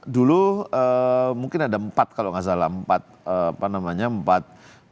dulu mungkin ada empat kalau enggak salah